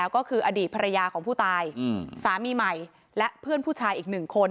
ก็คืออดีตภรรยาของผู้ตายสามีใหม่และเพื่อนผู้ชายอีกหนึ่งคน